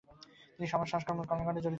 তিনি সমাজ সংস্কারমূলক কর্মকাণ্ডে জড়িত ছিলেন।